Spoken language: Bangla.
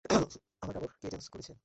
আমার কাপড় কে চেঞ্জ করেছে?